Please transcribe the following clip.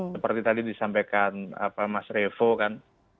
seperti tadi disampaikan mas revo kan